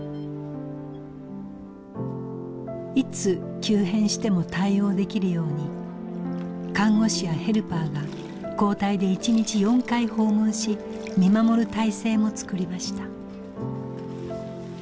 いつ急変しても対応できるように看護師やヘルパーが交代で１日４回訪問し見守る体制も作りました。